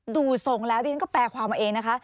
ดูทรงแล้วดิฉันก็แปลความมาเองนะคะ